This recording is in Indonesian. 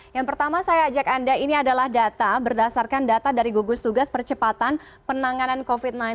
yang pertama saya ajak anda ini adalah data berdasarkan data dari gugus tugas percepatan penanganan covid sembilan belas